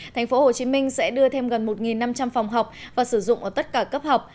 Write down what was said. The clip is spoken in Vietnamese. tp hcm sẽ đưa thêm gần một năm trăm linh phòng học và sử dụng ở tất cả cấp học